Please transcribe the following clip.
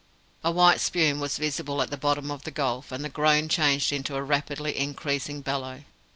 A white spume was visible at the bottom of the gulf, and the groan changed into a rapidly increasing bellow.